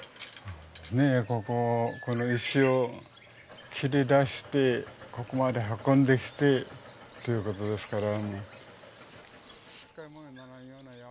こここの石を切り出してここまで運んできてっていう事ですから。